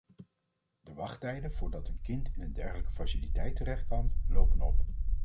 De wachttijden voordat een kind in een dergelijke faciliteit terecht kan, lopen op.